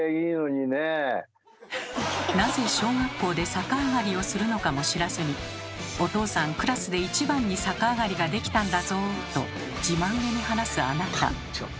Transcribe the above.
なぜ小学校で逆上がりをするのかも知らずに「お父さんクラスでいちばんに逆上がりができたんだぞ」と自慢げに話すあなた。